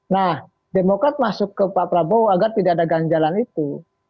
nah demokrat masuk ke pak prabowo agar tidak ada ganjalan itu